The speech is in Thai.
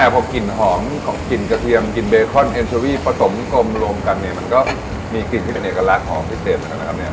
พอกลิ่นหอมของกลิ่นกระเทียมกลิ่นเบคอนเอ็นเชอรี่ผสมกลมรวมกันเนี่ยมันก็มีกลิ่นที่เป็นเอกลักษณ์ของพิเศษเหมือนกันนะครับเนี่ย